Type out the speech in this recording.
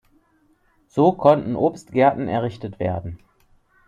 So konnten Obstgärten errichtet werden.